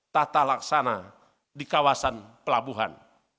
tata laksana di kawasan pelabuhan